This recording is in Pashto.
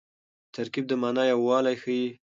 ترکیب د مانا یووالی ښيي.